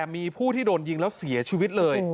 มีผู้ที่โดนยิงแล้วเสียชีวิตเลย